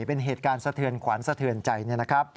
เป็นเหตุการณ์สะเทือนขวัญสะเทือนใจนะครับ